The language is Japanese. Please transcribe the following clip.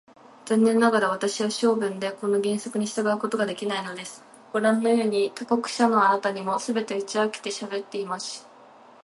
残念ながら、私は性分でこの原則に従うことができないのです。ごらんのように、他国者のあなたにも、すべて打ち明けてしゃべってしまいます。